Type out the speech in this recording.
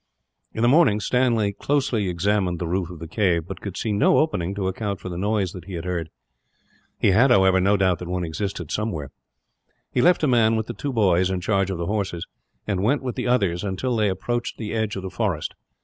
In the morning Stanley closely examined the roof of the cave, but could see no opening to account for the noise that he had heard. He had, however, no doubt that one existed somewhere. He left a man with the two boys in charge of the horses, and went with the others until they approached the edge of the forest.